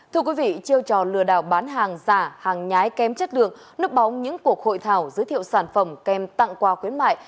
thưa quý vị chiêu trò lừa đảo bán hàng giả hàng nhái kém chất lượng núp bóng những cuộc hội thảo giới thiệu sản phẩm kèm tặng quà khuyến mại